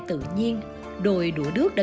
tự nhiên đồi đũa đước đã